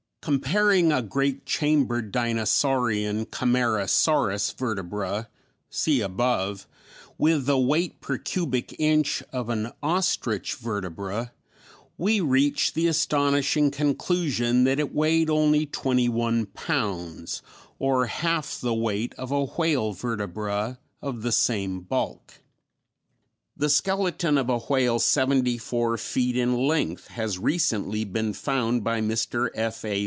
Comparing a great chambered dinosaurian (Camarasaurus) vertebra (see above) with the weight per cubic inch of an ostrich vertebra, we reach the astonishing conclusion that it weighed only twenty one pounds, or half the weight of a whale vertebra of the same bulk. The skeleton of a whale seventy four feet in length has recently been found by Mr. F.A.